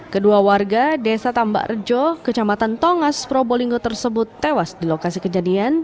kedua warga desa tambak rejo kecamatan tongas probolinggo tersebut tewas di lokasi kejadian